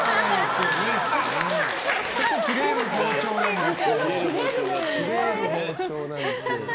よく切れる包丁なんですけど。